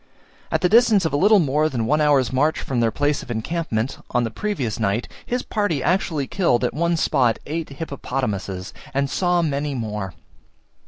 At the distance of a little more than one hour's march from their place of encampment on the previous night, his party actually killed at one spot eight hippopotamuses, and saw many more.